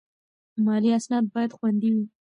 مالي اسناد باید خوندي وي.